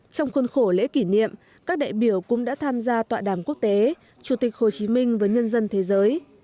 trong khuôn khổ lễ kỷ niệm các đại biểu cũng đã tham gia tọa đàm quốc tế chủ tịch hồ chí minh với nhân dân thế giới